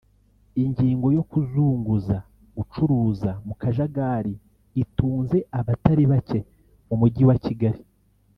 Ingingo yo kuzunguza/gucuruza mu kajagari itunze abatari bake mu mujyi wa Kigali